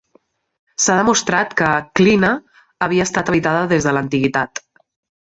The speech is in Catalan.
S'ha demostrat que Klina havia estat habitada des de l'antiguitat.